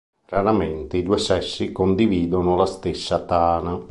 Raramente i due sessi condividono la stessa tana.